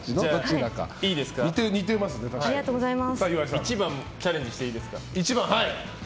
１番チャレンジしていいですか。